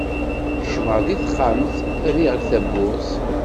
Kecmeɣ deg texxamt, rriɣ-d tawwurt.